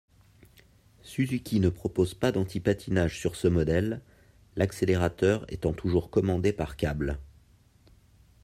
Suzuki ne propose pas d'antipatinage sur ce modèle, l'accélérateur étant toujours commandé par câble.